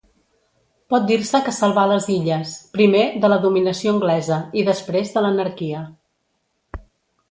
Pot dir-se que salvà les illes, primer de la dominació anglesa i després de l'anarquia.